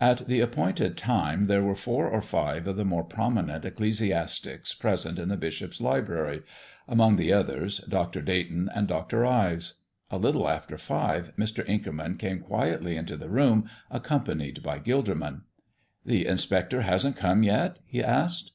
At the appointed time there were four or five of the more prominent ecclesiastics present in the bishop's library among the others, Dr. Dayton and Dr. Ives. A little after five Mr. Inkerman came quietly into the room accompanied by Gilderman. "The inspector hasn't come yet?" he asked.